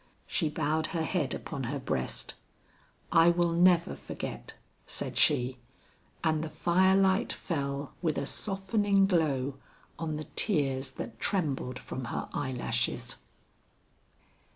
She bowed her head upon her breast. "I will never forget," said she, and the fire light fell with a softening glow on the tears that trembled from her eye lashes.